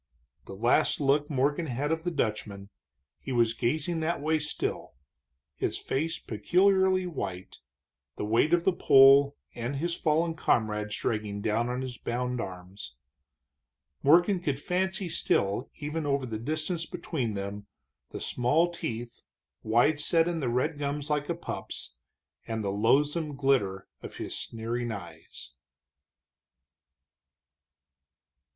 The last look Morgan had of the Dutchman he was gazing that way still, his face peculiarly white, the weight of the pole and his fallen comrades dragging down on his bound arms. Morgan could fancy still, even over the distance between them, the small teeth, wide set in the red gums like a pup's, and the loathsome glitter of his sneering eyes.